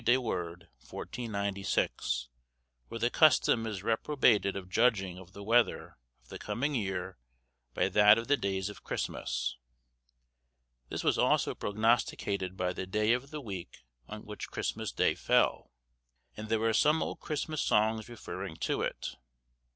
de Worde, 1496, where the custom is reprobated of judging of the weather of the coming year by that of the days of Christmas. This was also prognosticated by the day of the week on which Christmas Day fell, and there are some old Christmas songs referring to it.